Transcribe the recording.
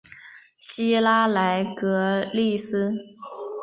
希拉莱格利斯。